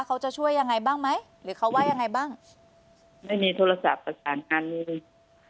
เขาจะช่วยยังไงบ้างไหมหรือเขาว่ายังไงบ้างไม่มีโทรศัพท์ประสานงานเลย